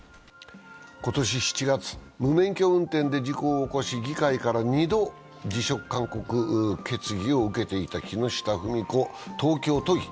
今年７月、無免許運転で事故を起こし、議会から２度辞職勧告決議を受けていた木下富美子東京都議。